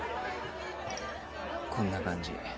こんな感じ。